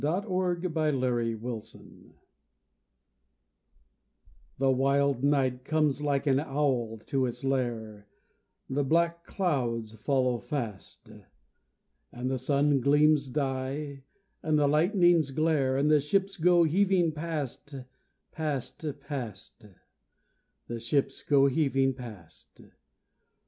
God Help Our Men at Sea The wild night comes like an owl to its lair, The black clouds follow fast, And the sun gleams die, and the lightnings glare, And the ships go heaving past, past, past The ships go heaving past!